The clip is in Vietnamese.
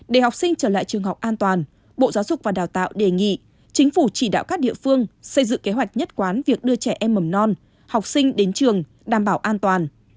để học sinh trở lại trường học an toàn bộ giáo dục và đào tạo đề nghị chính phủ chỉ đạo các địa phương xây dựng kế hoạch nhất quán việc đưa trẻ em mầm non học sinh đến trường đảm bảo an toàn